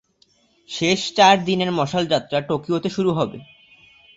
শেষ চার দিনের মশাল যাত্রা টোকিওতে শুরু হবে।